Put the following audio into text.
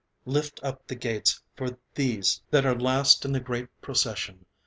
Lift up the Gates for these that are last, That are last in the great Procession.